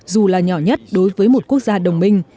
dù là nhỏ nhất đối với một quốc gia đồng minh